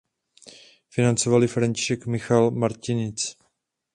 Financoval ji František Michal Martinic.